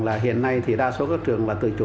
là hiện nay thì đa số các trường là tự chủ